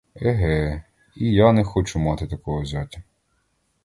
Еге, і я не хочу мати такого зятя.